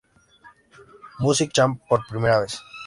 Music Champ" por primera vez.